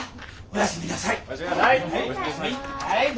おやすみなさい。